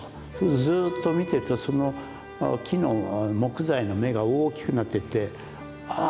ずっと見てるとその木の木材の目が大きくなっていってああ